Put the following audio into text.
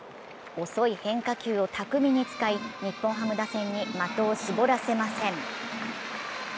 遅い変化球を巧みに使い、日本ハム打線に的を絞らせません。